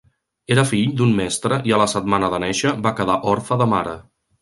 Era fill d'un mestre i a la setmana de néixer va quedar orfe de mare.